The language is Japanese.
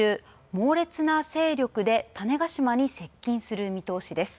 猛烈な勢力で種子島に接近する見通しです。